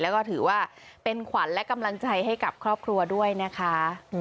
แล้วก็ถือว่าเป็นขวัญและกำลังใจให้กับครอบครัวด้วยนะคะ